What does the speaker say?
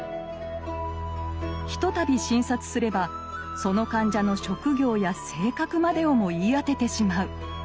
ひとたび診察すればその患者の職業や性格までをも言い当ててしまう。